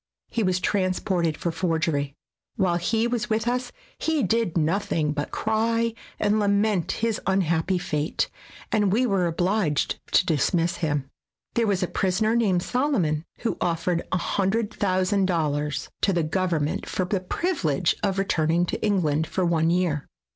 He was transported for forgery. While he was with us he did nothing but cry and lament his unhappy fate, and we were obliged to dismiss him. There was a prisoner named Solomon who offered a hundred thousand dollars to the government for the privilege of return ing to England for one year.